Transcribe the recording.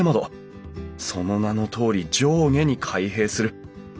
その名のとおり上下に開閉する。